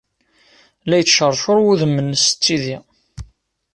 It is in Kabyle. La yettceṛcuṛ wudem-nnes d tidi.